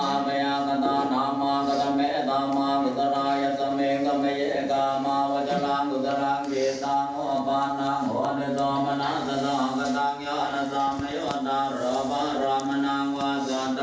มีปุ่นล้านักมากก็จะร่างเผลอ